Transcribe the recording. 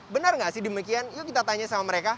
benar nggak sih demikian yuk kita tanya sama mereka